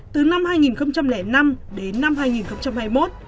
từ năm hai nghìn năm đến năm hai nghìn hai mươi một